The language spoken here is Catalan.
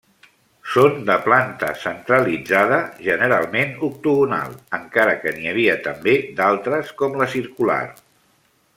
Són de planta centralitzada, generalment octogonal, encara que n'hi havia també d'altres com la circular.